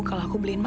kalau aku beli nama